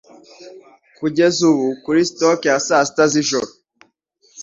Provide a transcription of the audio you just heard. Kugeza, ubu, kuri stroke ya saa sita z'ijoro,